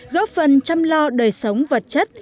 góp phần chăm lo đời sống vật chất